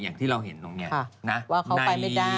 อย่างที่เห็นลงเนี่ยใน